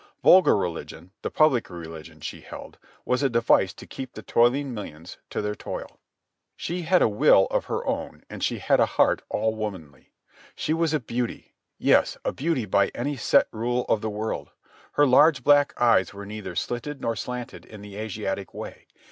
Vulgar religion, the public religion, she held, was a device to keep the toiling millions to their toil. She had a will of her own, and she had a heart all womanly. She was a beauty—yes, a beauty by any set rule of the world. Her large black eyes were neither slitted nor slanted in the Asiatic way.